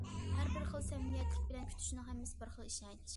ھەر بىر خىل سەمىمىيەتلىك بىلەن كۈتۈشنىڭ ھەممىسى بىر خىل ئىشەنچ.